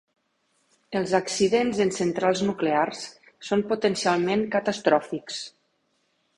Els accidents en centrals nuclears són potencialment catastròfics.